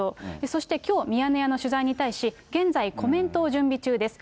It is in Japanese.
そしてきょう、ミヤネ屋の取材に対し、現在、コメントを準備中です。